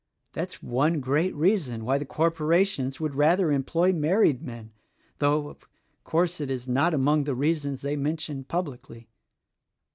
That's one great reason why the corporations would rather employ married men; though, of course, it is not among the reasons they mention publicly."